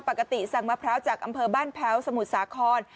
ปกติสั่งมะพร้าวจากอำเภอบ้านแพ้วสมุทรสาคร